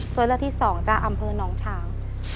ตัวเลือกที่๒จากอำเภอน้องช้าง